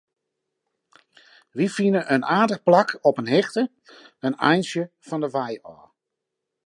Wy fine in aardich plak op in hichte, in eintsje fan 'e wei ôf.